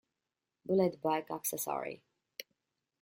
Bullet Bike accessory.